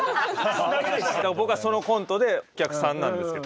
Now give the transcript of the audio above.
僕はそのコントでお客さんなんですけど